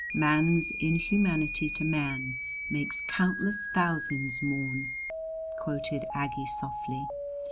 "Man's inhumanity to man, Makes countless thousands mourn!" quoted Aggie softly.